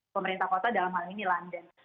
pemerintah kota dalam hal ini london